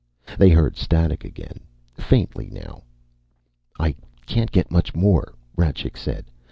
They heard static again, faintly now. "I can't get much more," Rajcik said.